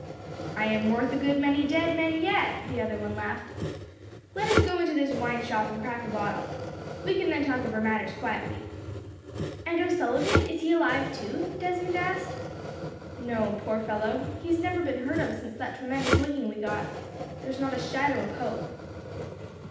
"I am worth a good many dead men, yet," the other one laughed. "Let us go into this wine shop and crack a bottle. We can then talk over matters quietly." "And O'Sullivan, is he alive too?" Desmond asked. "No, poor fellow. He has never been heard of since that tremendous licking we got. There is not a shadow of hope."